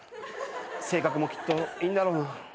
性格もきっといいんだろうな。